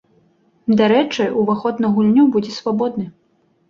Дарэчы, уваход на гульню будзе свабодны.